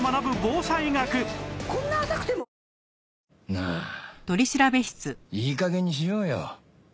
なあいい加減にしようよ。